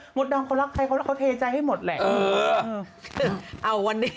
หมดดาวน์เค้ารักใครเขาเทใจให้หมดแหละ